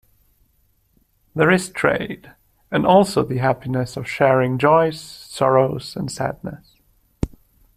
There is trade and also the happiness of sharing joys, sorrows, and sadness.